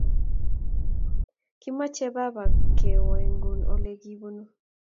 Kimoche baba kewegen olekigibunu